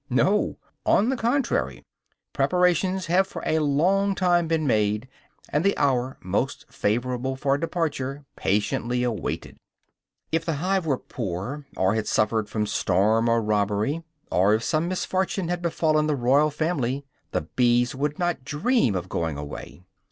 No; on the contrary, preparations have for a long time been made, and the hour most favorable for departure patiently awaited. If the hive were poor, or had suffered from storm or robbery; or if some misfortune had befallen the royal family, the bees would not dream of going away.